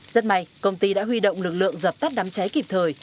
rất may công ty đã huy động lực lượng dập tắt đám cháy kịp thời